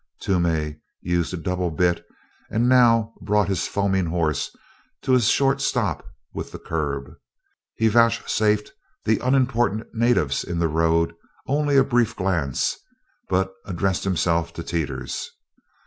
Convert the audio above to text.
Toomey used a double bit and now brought his foaming horse to a short stop with the curb. He vouchsafed the unimportant "natives" in the road only a brief glance, but addressed himself to Teeters.